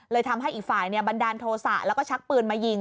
ทำให้อีกฝ่ายบันดาลโทษะแล้วก็ชักปืนมายิง